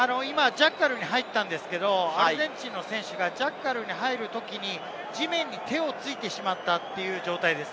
ジャッカルに入ったんですけれど、アルゼンチンの選手がジャッカルに入るとき、地面に手をついてしまったという状態です。